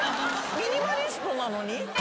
ミニマリストなのに？